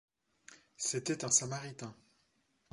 C'était un Samaritain.